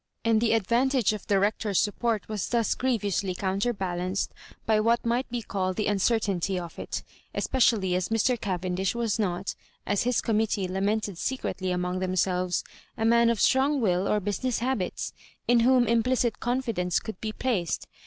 And the advantage of the Hec tor's support was thus grievously counterbal anced by what might be called the uncertainty of it— especially as Mr. Cavendish was not, as his committee lamented secretly among them selves, a man of strong will or busmess habits, in whom implicit confidence could be placed.